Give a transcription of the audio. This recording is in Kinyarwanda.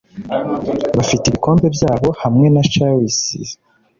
Bafite ibikombe byabo hamwe na chalices